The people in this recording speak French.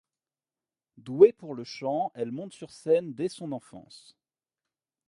Douée pour le chant, elle monte sur scène dès son enfance.